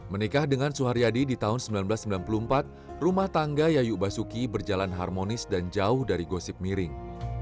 menikah dengan suharyadi di tahun seribu sembilan ratus sembilan puluh empat rumah tangga yayu basuki berjalan harmonis dan jauh dari gosip miring